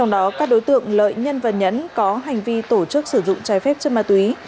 đối tượng lợi nhân và nhấn có hành vi tổ chức sử dụng trái phép cho ma túy